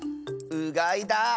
うがいだ！